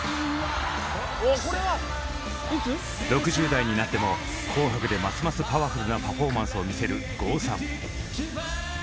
６０代になっても「紅白」でますますパワフルなパフォーマンスを見せる郷さん。